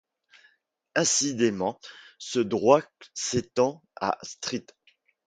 Incidemment, ce droit s'étend à St.